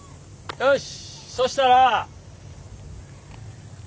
よし！